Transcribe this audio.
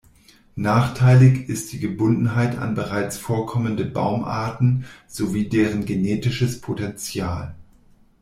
Nachteilig ist die Gebundenheit an bereits vorkommende Baumarten sowie deren genetisches Potential.